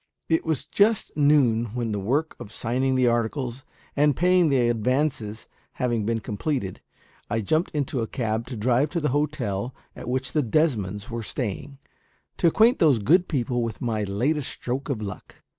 It was just noon when, the work of signing the articles and paying the advances having been completed, I jumped into a cab to drive to the hotel at which the Desmonds were staying, to acquaint those good people with my latest stroke of luck.